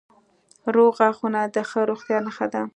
روغ غاښونه د ښه روغتیا نښه ده.